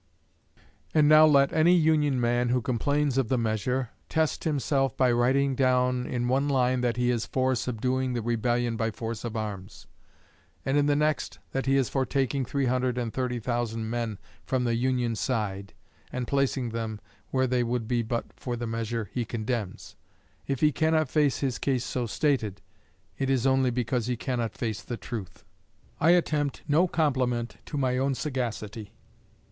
And now let any Union man who complains of the measure, test himself by writing down in one line that he is for subduing the rebellion by force of arms; and in the next, that he is for taking three hundred and thirty thousand men from the Union side, and placing them where they would be but for the measure he condemns. If he cannot face his case so stated, it is only because he cannot face the truth. I attempt no compliment to my own sagacity.